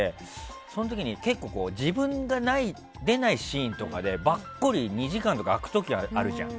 その時に自分が出ないシーンでばっこり２時間とか空く時あるじゃん。